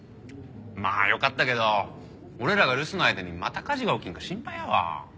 まあよかったけど俺らが留守の間にまた火事が起きんか心配やわ。